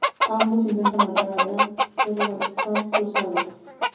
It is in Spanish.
Ambos intentan matar a Dave, pero Balthazar lo salva.